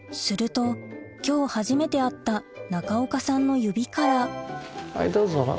すると今日初めて会った中岡さんの指からはいどうぞ。